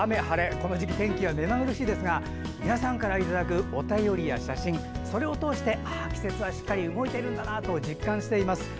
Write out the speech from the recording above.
この時期、天気がめまぐるしいですが皆さんからいただくお便りや写真それをとおして、季節はしっかり動いているんだなと実感しています。